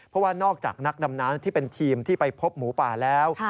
เพราะว่านอกจากนักดำน้ำที่เป็นทีมที่ไปพบหมูป่าแล้ว